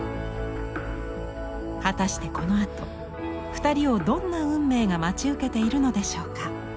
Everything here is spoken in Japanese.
果たしてこのあと２人をどんな運命が待ち受けているのでしょうか？